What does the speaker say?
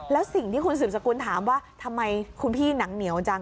แล้วสิ่งที่คุณสืบสกุลถามว่าทำไมคุณพี่หนังเหนียวจัง